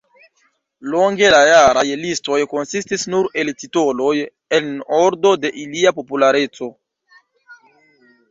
Longe la jaraj listoj konsistis nur el titoloj en ordo de ilia populareco.